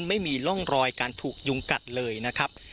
ไม่มีร่องรอยการถูกยุงกัดเลยนะครับ